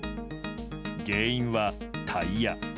原因は、タイヤ。